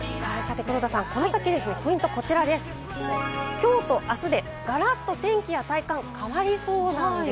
今日と明日でガラッと天気や体感、変わりそうなんです。